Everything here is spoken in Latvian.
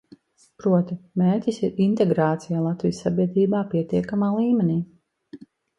Proti, mērķis ir integrācija Latvijas sabiedrībā pietiekamā līmenī.